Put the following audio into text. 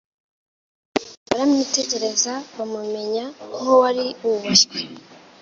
baramwitegereza bamumenya nk'uwari wubashywe;